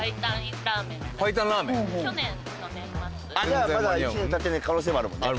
じゃあまだ１年たってない可能性もあるもんね。